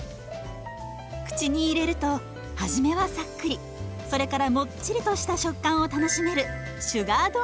口に入れると初めはさっくりそれからもっちりとした食感を楽しめるシュガードーナツです。